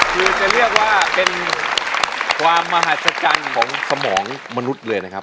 คือจะเรียกว่าเป็นความมหัศจรรย์ของสมองมนุษย์เลยนะครับ